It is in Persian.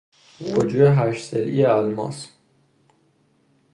وجوه هشت ضلعی الماس